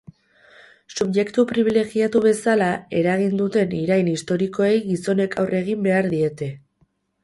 Subjektu pribilegiatu bezala, eragin duten irain historikoei gizonek aurre egin behar diete.